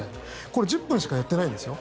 これ、１０分しかやってないですよ。